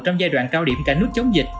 trong giai đoạn cao điểm cả nước chống dịch